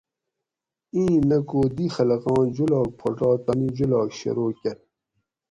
اِیں نہ کو دی خلقاں جولاگ پھوٹا تانی جولاگ شروع کۤر